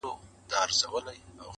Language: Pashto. یوه ورځ وو یو صوفي ورته راغلی!